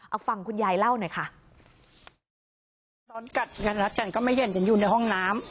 เอาฟังคุณยายเล่าหน่อยค่ะ